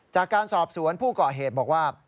จากการสอบสวนผู้เกาะเหตุบอกว่า